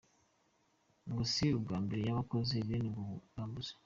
Ngo si ubwambere yaba akoze bene ubwo bwambuzi.